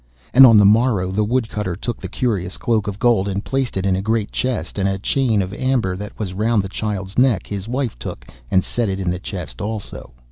And on the morrow the Woodcutter took the curious cloak of gold and placed it in a great chest, and a chain of amber that was round the child's neck his wife took and set it in the chest also.